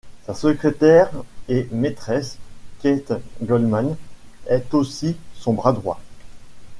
Sa secrétaire et maîtresse, Käte Goldmann, est aussi son bras droit.